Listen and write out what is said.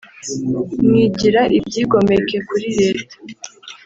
mwigira ibyigomeke kuri leta